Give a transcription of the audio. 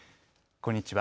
こんにちは。